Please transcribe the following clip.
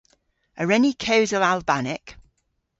A wren ni kewsel Albanek?